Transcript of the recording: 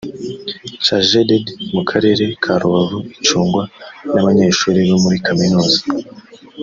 cajeded mu karere ka rubavu icungwa n abanyeshuri bo muri kaminuza